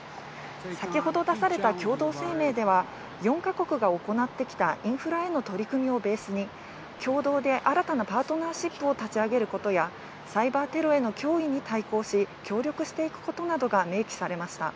先ほど出された共同声明では、４か国が行ってきたインフラへの取り組みをベースに共同で新たなパートナーシップを立ち上げることやサイバーテロへの脅威に対抗し、協力していくことなどが明記されました。